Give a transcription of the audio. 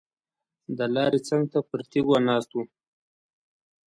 د لارې څنګ ته پر تیږو ناست وو.